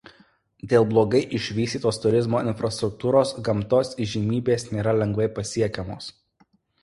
Dėl blogai išvystytos turizmo infrastruktūros gamtos įžymybės nėra lengvai pasiekiamos.